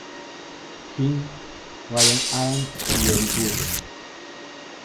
King, Ryan Adams, y Eric Burdon.